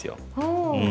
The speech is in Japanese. うん。